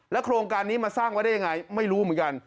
โครงการนี้มาสร้างไว้ได้ยังไงไม่รู้เหมือนกัน